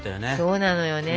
そうなのよね。